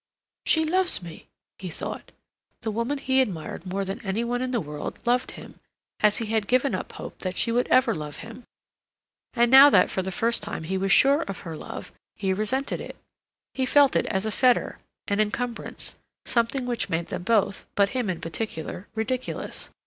"She loves me," he thought. The woman he admired more than any one in the world, loved him, as he had given up hope that she would ever love him. And now that for the first time he was sure of her love, he resented it. He felt it as a fetter, an encumbrance, something which made them both, but him in particular, ridiculous.